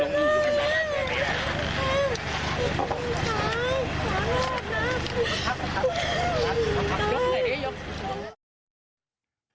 ตายแล้วตายแล้ว